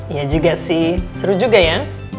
ya juga sih seru juga ya